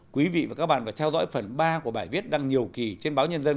quý vị và các bạn phải theo dõi phần ba của bài viết đăng nhiều kỳ trên báo nhân dân